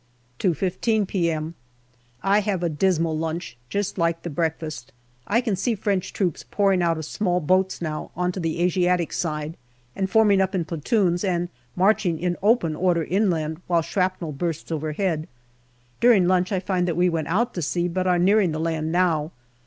2.15 p.m. I have a dismal lunch, just like the breakfast. I can see French troops pouring out of small boats now on to the Asiatic side and forming up in platoons and marching in open order inland, while shrapnel bursts overhead. During lunch I find that we went out to sea, but are nearing the land now.